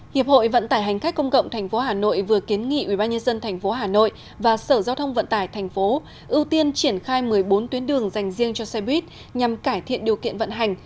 hiệp hội vận tải hành khách công cộng tp hà nội vừa kiến nghị ubnd tp hà nội và sở giao thông vận tải thành phố ưu tiên triển khai một mươi bốn tuyến đường dành riêng cho xe buýt nhằm cải thiện điều kiện vận hành